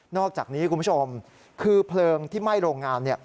อกจากนี้คุณผู้ชมคือเพลิงที่ไหม้โรงงาน